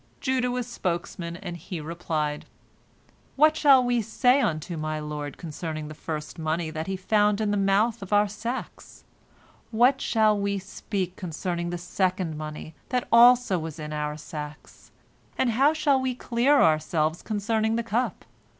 " Judah was spokesman, and he replied: "What shall we say unto my lord concerning the first money that he found in the mouth of our sacks? What shall we speak concerning the second money that also was in our sacks? And how shall we clear ourselves concerning the cup?